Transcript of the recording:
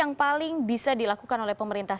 yang paling bisa dilakukan oleh pemerintah